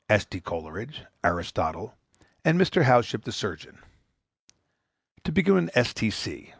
S.T. Coleridge, Aristotle, and Mr. Howship the surgeon. To begin with S.T.